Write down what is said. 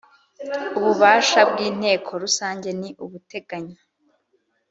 ububasha bw inteko rusange ni ubuteganywa